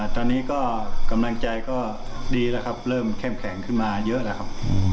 ตอนนี้กำลังใจก็ดีเริ่มแข็มขึ้นมาเยอะแล้ว